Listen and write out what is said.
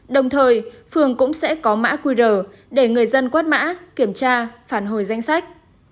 đồng thời phường cũng sẽ có mã qr để người dân quét mã kiểm tra phản hồi danh sách